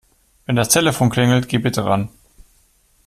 Wenn das Telefon klingelt, geh bitte ran.